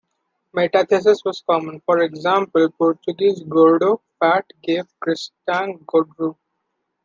Metathesis was common: for example, Portuguese "gordo" "fat" gave Kristang "godru".